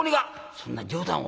「そんな冗談を」。